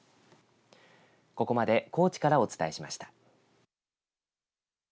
ここまで高知からお伝えしました。